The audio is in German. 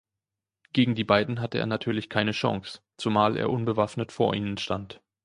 Gegen die beiden hatte er natürlich keine Chance, zumal er unbewaffnet vor ihnen stand.